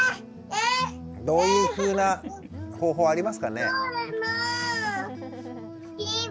どういうふうな方法ありますかね。